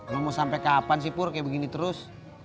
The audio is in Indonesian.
lu mau sampe kapan sih pur kayak begini terus